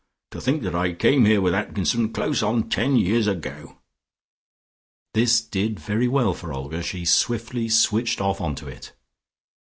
To think that I came here with Atkinson close on ten years ago." This did very well for Olga: she swiftly switched off onto it.